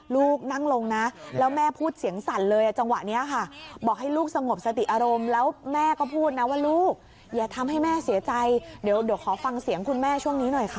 ลูกนั่งลงนะแล้วแม่พูดเสียงสั่นเลยจังหวะนี้ค่ะบอกให้ลูกสงบสติอารมณ์แล้วแม่ก็พูดนะว่าลูกอย่าทำให้แม่เสียใจเดี๋ยวขอฟังเสียงคุณแม่ช่วงนี้หน่อยค่ะ